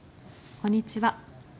こんにちは。